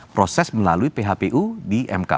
proses melalui phpu di mk